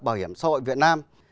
bảo hiểm xã hội việt nam